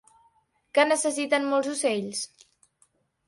Què necessiten molts ocells?